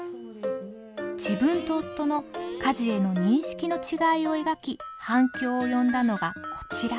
自分と夫の家事への認識の違いを描き反響を呼んだのがこちら。